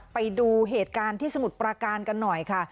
ไปดูเหตุการณ์ที่สมุทรประการกันหน่อยค่ะ